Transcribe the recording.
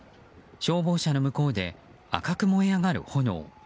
消防車の向こうで赤く燃え上がる炎。